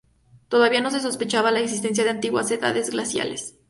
Todavía no se sospechaba la existencia de antiguas edades glaciales.